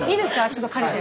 ちょっと借りて。